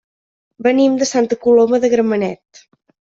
Venim de Santa Coloma de Gramenet.